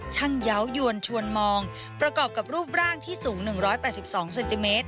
เยาว์ยวนชวนมองประกอบกับรูปร่างที่สูง๑๘๒เซนติเมตร